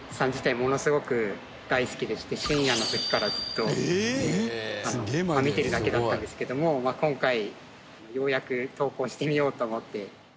ものすごく大好きでして深夜の時からずっと見てるだけだったんですけども今回ようやく投稿してみようと思って。